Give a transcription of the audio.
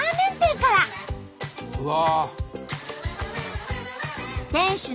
うわ！